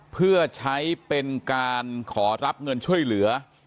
เพื่อใช้เป็นการขอรับเงินช่วยเหลือ